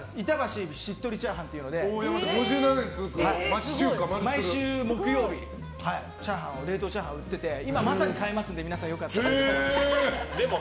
しっとりチャーハンっていうので毎週木曜日冷凍チャーハンを売ってて今、まさに買えますので皆さん、良かったら。